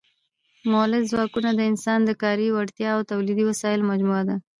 مؤلده ځواکونه د انسان د کاري وړتیا او تولیدي وسایلو مجموعه ده.